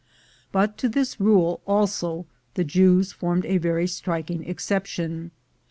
But to this rule also the Jews formed a very striking exception.